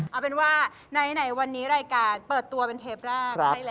เอาเป็นว่าไหนวันนี้รายการเปิดตัวเป็นเทปแรก